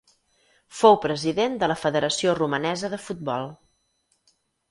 Fou president de la Federació Romanesa de Futbol.